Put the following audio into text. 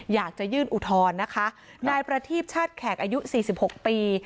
อยากจะยื่นอุทธรณ์นะคะนายประทีปชาติแขกอายุ๔๖ปี